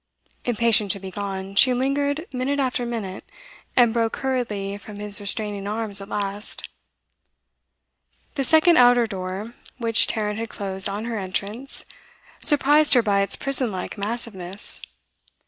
Impatient to be gone, she lingered minute after minute, and broke hurriedly from his restraining arms at last. The second outer door, which Tarrant had closed on her entrance, surprised her by its prison like massiveness.